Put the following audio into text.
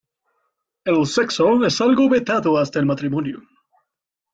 El sexo es algo vetado hasta el matrimonio.